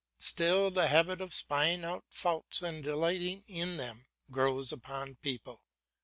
Still the habit of spying out faults and delighting in them grows upon people.